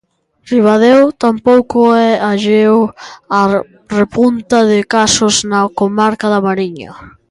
Ribadeo tampouco é alleo á repunta de casos na comarca da Mariña.